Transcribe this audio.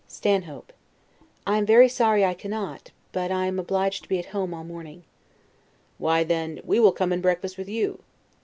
Stanhope. I am very sorry I cannot; but I am obliged to be at home all morning. Englishman. Why, then, we will come and breakfast with you.